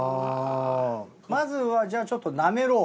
まずはじゃあちょっとなめろう。